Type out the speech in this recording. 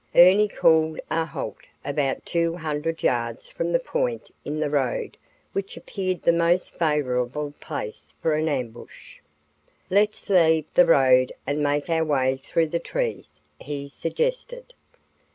Ernie called a halt about two hundred yards from the point in the road which appeared the most favorable place for an ambush. "Let's leave the road and make our way through the trees," he suggested.